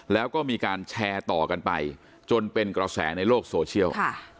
แล้วก็มีการแชร์ต่อกันไปจนเป็นกระแสในโลกโซเชียล